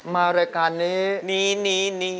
มารกาเนนี